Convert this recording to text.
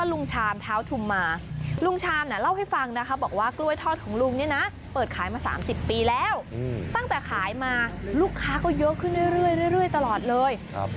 ลูกค้าก็เยอะขึ้นเรื่อยตลอดเลย